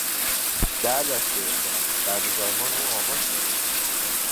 دردش گرفته است، درد زایمان او آغاز شده است.